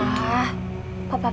papa pegang aja